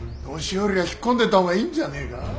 年寄りは引っ込んでた方がいいんじゃねえか。